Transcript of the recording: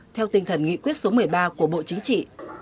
theo tinh thần nghị quyết số một mươi ba của bộ chính trị